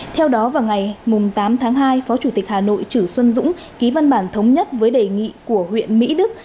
theo đó vào ngày tám tháng hai phó chủ tịch hà nội chử xuân dũng ký văn bản thống nhất với đề nghị của huyện mỹ đức